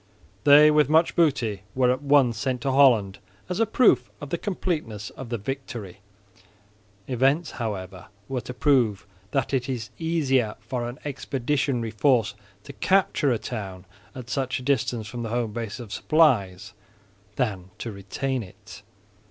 They, with much booty, were at once sent to Holland as a proof of the completeness of the victory. Events, however, were to prove that it is easier for an expeditionary force to capture a town at such a distance from the home base of supplies, than to retain it.